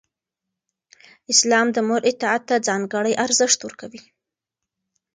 اسلام د مور اطاعت ته ځانګړی ارزښت ورکوي.